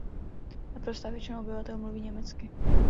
Naprostá většina obyvatel mluví německy.